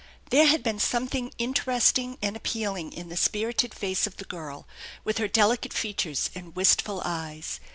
There had been something interesting and appealing in the spirited face of the girl, with her delicate features and wistful eyes.